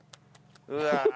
うわ。